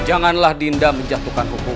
janganlah dinda menjatuhkan hukum